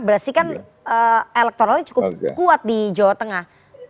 berarti kan elektoralnya cukup kuat di jawa tengah